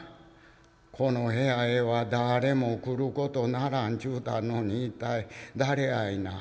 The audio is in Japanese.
「この部屋へはだれも来ることならんちゅうたのに一体誰やいな？」。